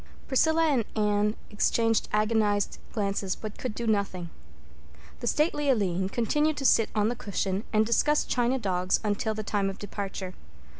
Priscilla and Anne exchanged agonized glances but could do nothing. The stately Aline continued to sit on the cushion and discuss china dogs until the time of departure.